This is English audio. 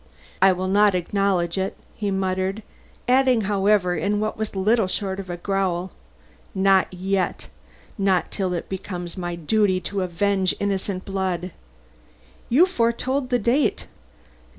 "I will not acknowledge it," he muttered; adding, however, in what was little short of a growl: "Not yet, not till it becomes my duty to avenge innocent blood." "You foretold the date."